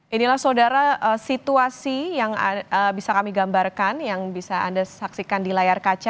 inilah saudara situasi yang bisa kami gambarkan yang bisa anda saksikan di layar kaca